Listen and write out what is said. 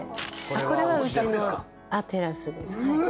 これはうちのテラスです。